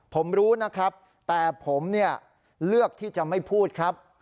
ผมรู้นะครับแต่ผมเนี่ยเลือกที่จะไม่พูดครับ